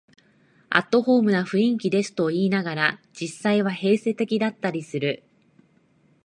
アットホームな雰囲気ですと言いながら、実際は閉鎖的だったりする